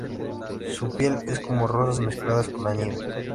Su piel es como rosas mezcladas con la nieve.